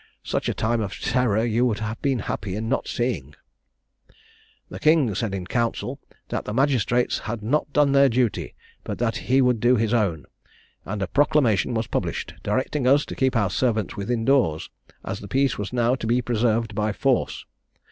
Such a time of terror you would have been happy in not seeing. "The king said in council 'That the magistrates had not done their duty, but that he would do his own;' and a proclamation was published, directing us to keep our servants within doors, as the peace was now to be preserved by force.